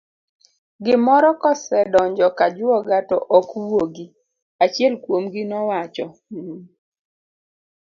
gimoro kosedonjo kajwoga to ok wuogi, achiel kuomgi nowacho mh!